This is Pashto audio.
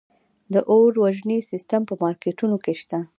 د اور وژنې سیستم په مارکیټونو کې شته؟